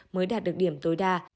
mới đạt được điểm tối đa